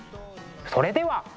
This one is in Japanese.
それでは。